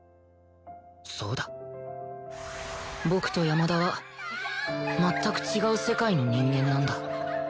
そうだ僕と山田は全く違う世界の人間なんだ